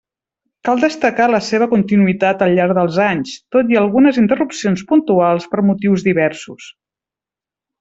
Cal destacar la seva continuïtat al llarg dels anys, tot i algunes interrupcions puntuals per motius diversos.